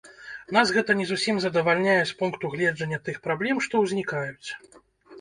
Нас гэта не зусім задавальняе з пункту гледжання тых праблем, што ўзнікаюць.